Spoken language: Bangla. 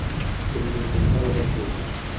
তুমি নিতে চাও নাকি?